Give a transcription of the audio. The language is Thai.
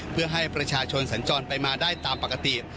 เพื่อให้ประชาชนสัญจรไปมาได้ตามปกติ